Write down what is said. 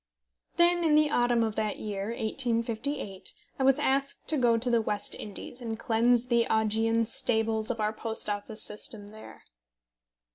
Then in the autumn of that year, 1858, I was asked to go to the West Indies, and cleanse the Augean stables of our Post Office system there.